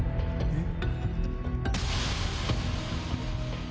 えっ？